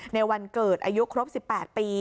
ในวันเกิดอายุครบ๑๘ปี